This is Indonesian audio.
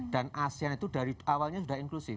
dan asean itu dari awalnya sudah inklusif